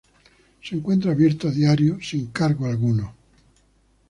Se encuentra abierto a diario sin cargo alguno.